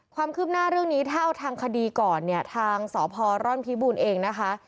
ความคืบหน้าเรื่องนี้ถ้าเอาทางคดีก่อนเนี่ยทางสพร่อนพิบูรณ์เองนะคะ